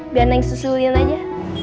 biar neng susulin aja